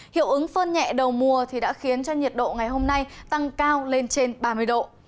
hiệu ứng phơn nhẹ đầu mùa đã khiến cho nhiệt độ ngày hôm nay tăng cao lên trên ba mươi độ